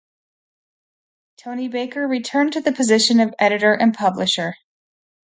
Tony Baker returned to the position of Editor and Publisher.